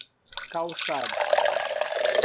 Calçado